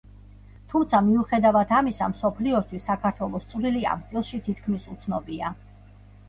თუმცა მიუხედავად ამისა მსოფლიოსთვის საქართველოს წვლილი ამ სტილში თითქმის უცნობია.